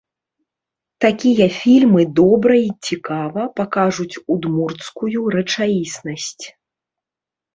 Такія фільмы добра і цікава пакажуць удмурцкую рэчаіснасць.